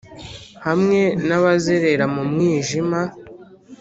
hamwe n'abazerera mu mwijima,